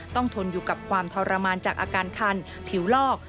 ทนอยู่กับความทรมานจากอาการคันผิวลอก